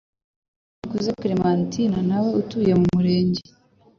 Naho NIKUZE Clementine nawe utuye mu murenge